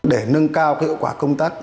để nâng cao kết quả công tác